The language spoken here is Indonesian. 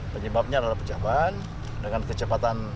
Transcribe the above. penyebabnya adalah pecah ban dengan kecepatan